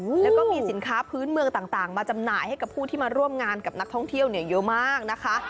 แล้วก็มีสินค้าพื้นเมืองต่างต่างมาจำหน่ายให้กับผู้ที่มาร่วมงานกับนักท่องเที่ยวเนี่ยเยอะมากนะคะ